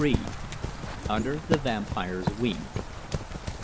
UNDER THE VAMPIRE'S WING.